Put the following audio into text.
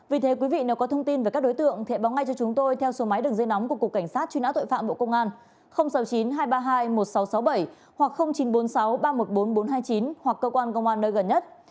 vì thế quý vị nếu có thông tin về các đối tượng hãy báo ngay cho chúng tôi theo số máy đường dây nóng của cục cảnh sát truy nã tội phạm bộ công an sáu mươi chín hai trăm ba mươi hai một nghìn sáu trăm sáu mươi bảy hoặc chín trăm bốn mươi sáu ba trăm một mươi bốn nghìn bốn trăm hai mươi chín hoặc cơ quan công an nơi gần nhất